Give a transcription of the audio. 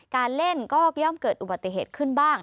การเล่นก็ย่อมเกิดอุบัติเหตุขึ้นบ้าง